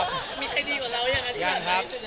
มีใครดีกว่าเราอย่างนั้น